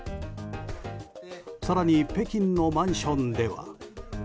更に、北京のマンションでは。